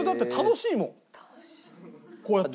こうやって。